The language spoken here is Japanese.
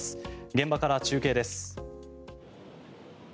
現場から中継です。